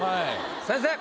先生。